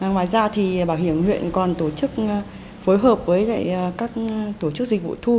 ngoài ra thì bảo hiểm huyện còn tổ chức phối hợp với các tổ chức dịch vụ thu